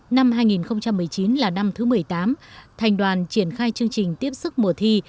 năm hai nghìn một mươi chín là năm thứ một mươi tám thành đoàn triển khai chương trình tiếp sức mùa thi